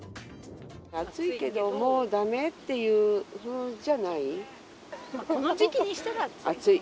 暑いけども、だめっていうほどじゃない。